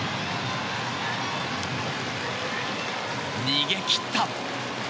逃げ切った！